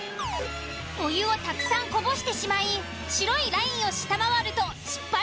［お湯をたくさんこぼしてしまい白いラインを下回ると失敗となります］